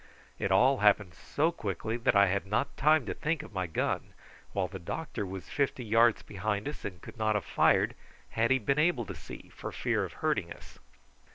It all happened so quickly that I had not time to think of my gun, while the doctor was fifty yards behind, and could not have fired had he been able to see, for fear of hurting us.